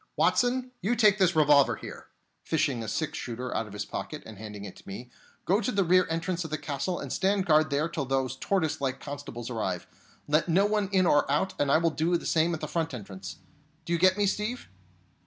Watson, you take this revolver here," fishing a six shooter out of his pocket and handing it to me, "go to the rear entrance of the castle, and stand guard there till those tortoise like constables arrive. Let no one in or out; and I will do the same at the front entrance. Do you get me, Steve?"